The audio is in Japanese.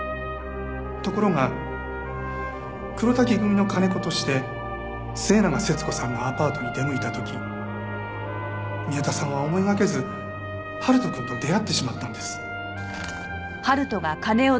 ところが黒瀧組の金子として末永節子さんのアパートに出向いた時宮田さんは思いがけず春人くんと出会ってしまったんです。